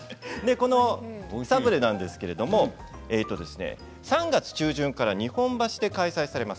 このサブレですけど３月中旬から日本橋で開催されます。